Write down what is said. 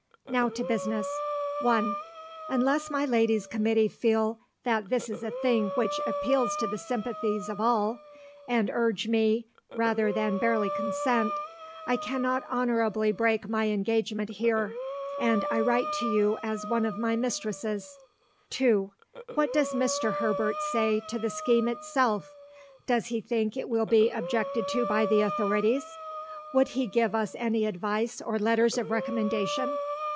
Now to business. (1) Unless my Ladies' Committee feel that this is a thing which appeals to the sympathies of all, and urge me, rather than barely consent, I cannot honourably break my engagement here. And I write to you as one of my mistresses. (2) What does Mr. Herbert say to the scheme itself? Does he think it will be objected to by the authorities? Would he give us any advice or letters of recommendation?